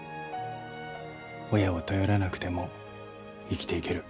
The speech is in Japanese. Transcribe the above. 親を頼らなくても生きていける